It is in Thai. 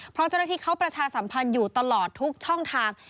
เพราะเจ้าหน้าที่เขาประชาสัมพันธ์อยู่ตลอดทุกช่องทาง